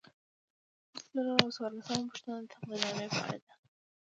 یو سل او څوارلسمه پوښتنه د تقدیرنامې په اړه ده.